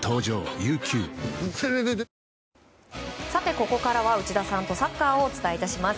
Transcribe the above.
ここからは内田さんとサッカーをお伝えいたします。